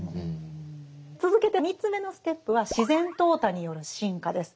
続けて３つ目のステップは「自然淘汰による進化」です。